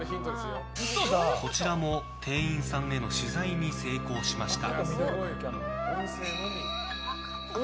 こちらも店員さんへの取材に成功しました。